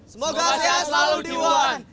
semoga saya selalu di wuhan